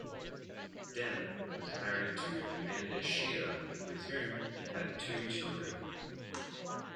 Demme was married to Amanda Scheer, with whom he had two children.